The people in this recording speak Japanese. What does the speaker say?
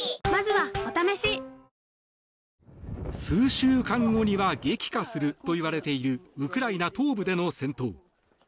数週間後には激化するといわれているウクライナ東部での戦闘。